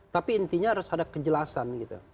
tapi intinya harus ada kejelasan gitu